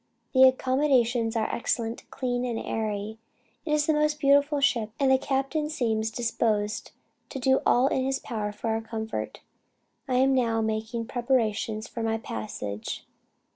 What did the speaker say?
The accommodations are excellent, clean and airy. It is a most beautiful ship, and the captain seems disposed to do all in his power for our comfort.... I am now making preparations for my passage.